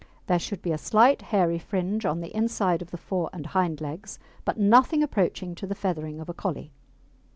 There should be a slight hairy fringe on the inside of the fore and hind legs, but nothing approaching to the feathering of a Collie.